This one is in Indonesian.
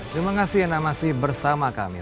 terima kasih anda masih bersama kami